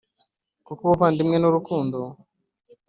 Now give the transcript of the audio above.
kuko ubuvandimwe n’urukundo